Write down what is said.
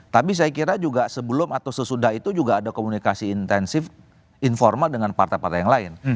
tapi saya kira juga sebelum atau sesudah itu juga ada komunikasi intensif informal dengan partai partai yang lain